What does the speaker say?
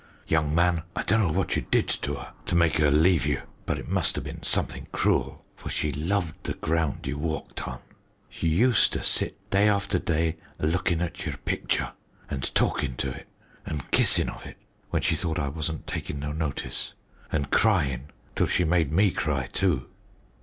Young man, I dunno what you did to 'er to make 'er leave you; but it muster bin something cruel, for she loved the ground you walked on. She useter sit day after day, a lookin' at your picture an' talkin' to it an' kissin' of it, when she thought I wasn't takin' no notice, and cryin' till she made me cry too.